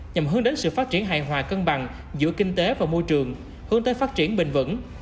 nhằm hướng đến sự phát triển hài hòa cân bằng giữa kinh tế và môi trường hướng tới phát triển bền vững